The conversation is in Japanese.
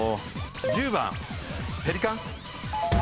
１０番ペリカン？